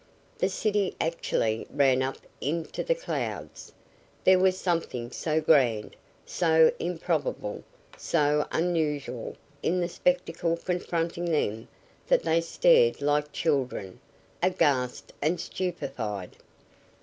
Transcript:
The city actually ran up into the clouds. There was something so grand, so improbable, so unusual in the spectacle confronting them that they stared like children, aghast and stupefied.